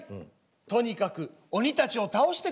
とにかく鬼たちを倒してください」。